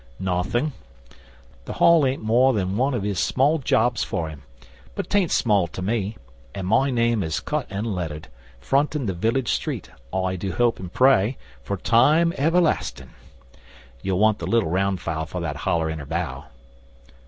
'Nothing. The Hall ain't more than one of his small jobs for him, but 'tain't small to me, an' my name is cut and lettered, frontin' the village street, I do hope an' pray, for time everlastin'. You'll want the little round file for that holler in her bow.